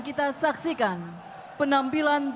dilanjutkan dengan gepiling